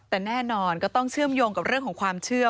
แต่แน่นอนก็ต้องเชื่อมโยงกับเรื่องของความเชื่อ